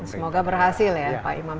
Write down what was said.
semoga berhasil ya pak imam